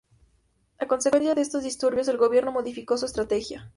A consecuencia de estos disturbios el gobierno modificó su estrategia.